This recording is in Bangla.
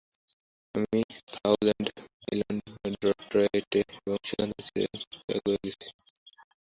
আমি থাউজ্যাণ্ড আইল্যাণ্ড থেকে ডেট্রয়েটে এবং সেখান থেকে চিকাগোয় যাচ্ছি।